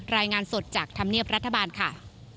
รายงานสดจากธรรมเนียบรัฐบาลค่ะ